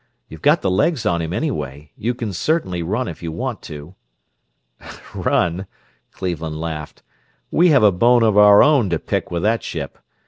You've got the legs on him, anyway you can certainly run if you want to!" "Run?" Cleveland laughed. "We have a bone of our own to pick with that ship.